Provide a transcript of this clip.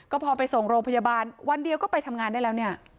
ก็พอไปส่งโรงพยาบาลวันเดียวก็ไปทำงานได้แล้วเนี่ย